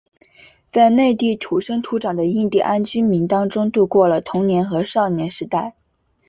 在内地土生土长的印第安居民当中度过了童年和少年时代。